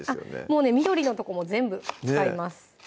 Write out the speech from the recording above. もうね緑のとこも全部使います